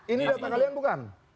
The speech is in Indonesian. ini data kalian bukan